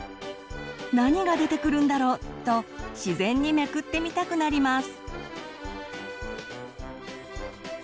何が出てくるんだろう？と自然にめくってみたくなります。